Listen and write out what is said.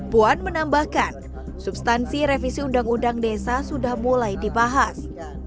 puan menambahkan substansi revisi uu desa sudah mulai dibahas